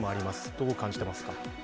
どう感じていますか。